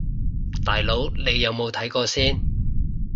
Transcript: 大佬你有冇睇過先